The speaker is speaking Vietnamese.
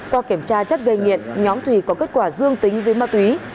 qua kiểm tra chất gây nghiện nhóm thùy có kết quả dương tính với ma túy